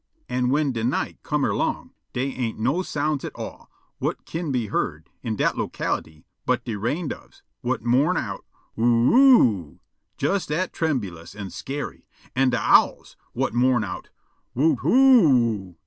An' whin de night come erlong, dey ain't no sounds at all whut kin be heard in dat locality but de rain doves, whut mourn out, "Oo oo o o o!" jes dat trembulous an' scary, an' de owls, whut mourn out, "Whut whoo o o o!"